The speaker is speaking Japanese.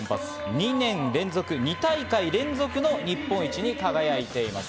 ２年連続２大会連続の日本一に輝いています。